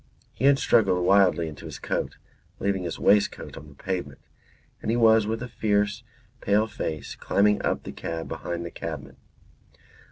He had struggled wildly into his coat (leaving his waistcoat on the pavement), and he was with a fierce pale face climbing up the cab behind the cabman.